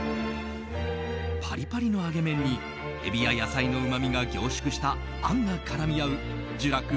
パリパリの揚げ麺にエビや野菜のうまみが凝縮したあんが絡み合うじゅらく